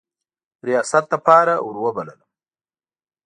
ریاست لپاره وروبللم.